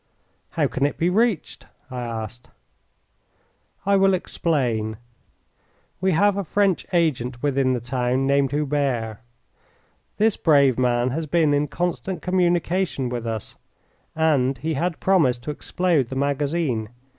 "How can it be reached?" I asked. "I will explain. We have a French agent within the town named Hubert. This brave man has been in constant communication with us, and he had promised to explode the magazine.